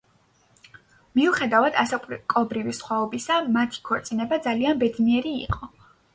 მიუხედავად ასაკობრივი სხვაობისა, მათი ქორწინება ძალიან ბედნიერი იყო.